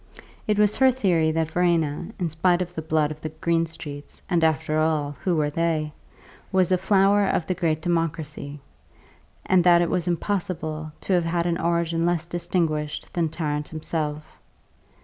It was her theory that Verena (in spite of the blood of the Greenstreets, and, after all, who were they?) was a flower of the great Democracy, and that it was impossible to have had an origin less distinguished than Tarrant himself.